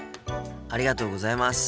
ありがとうございます。